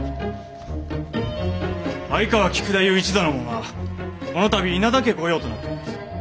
相川菊太夫一座の者はこの度稲田家御用となっております。